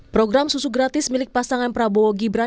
program susu gratis milik pasangan prabowo gibran